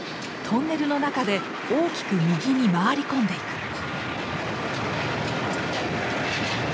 トンネルの中で大きく右に回り込んでいく。